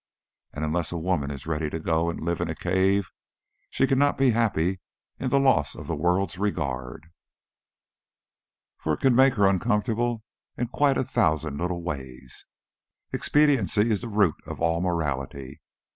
And unless a woman is ready to go and live in a cave, she cannot be happy in the loss of the world's regard, for it can make her uncomfortable in quite a thousand little ways. Expediency is the root of all morality.